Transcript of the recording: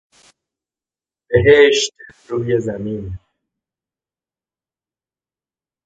بهشت روی زمین